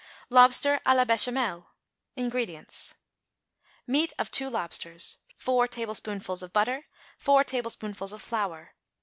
=Lobster à la Bechamel.= INGREDIENTS. Meat of 2 lobsters. 4 tablespoonfuls of butter. 4 tablespoonfuls of flour.